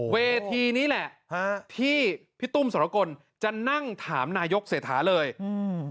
เวทีนี้แหละฮะที่พี่ตุ้มสรกลจะนั่งถามนายกเศรษฐาเลยอืม